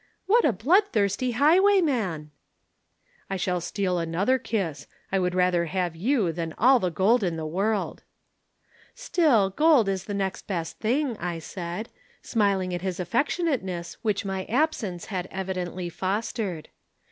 "'What a bloodthirsty highwayman!' "'I shall steal another kiss. I would rather have you than all the gold in the world.' "'Still, gold is the next best thing,' I said, smiling at his affectionateness which my absence had evidently fostered.